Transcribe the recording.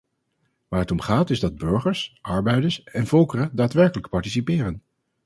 Waar het om gaat is dat burgers, arbeiders en volkeren daadwerkelijk participeren.